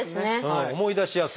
思い出しやすい。